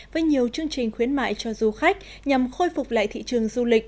với nhiều chương trình khuyến mại cho du khách nhằm khôi phục lại thị trường du lịch